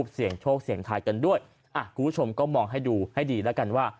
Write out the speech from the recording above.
เสียงโชคเสียงทายกันด้วยอ่ะคุณผู้ชมก็มองให้ดูให้ดีแล้วกันว่า